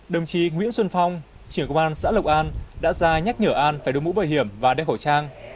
đồng chí nguyễn xuân phong trưởng công an xã lộc an đã ra nhắc nhở an phải đối mũ bảo hiểm và đeo khẩu trang